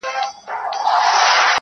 • د چا لاره چي پر لور د جهالت سي -